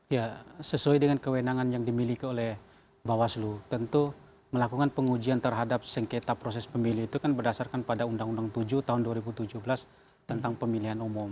ya sesuai dengan kewenangan yang dimiliki oleh bawaslu tentu melakukan pengujian terhadap sengketa proses pemilih itu kan berdasarkan pada undang undang tujuh tahun dua ribu tujuh belas tentang pemilihan umum